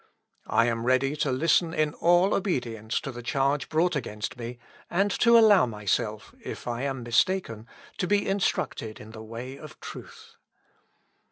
I am ready to listen in all obedience to the charge brought against me, and to allow myself, if I am mistaken, to be instructed in the way of truth."